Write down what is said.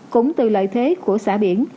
cũng từ lợi thế của xã biển